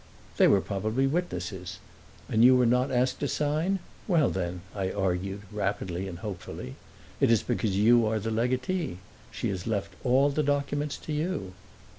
"They were probably witnesses. And you were not asked to sign? Well then," I argued rapidly and hopefully, "it is because you are the legatee; she has left all her documents to you!"